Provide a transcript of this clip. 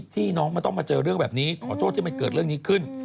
ที่น้องไม่ต้องมาเจอเรื่องแบบนี้ขอโทษที่มันเกิดเรื่องนี้ขึ้น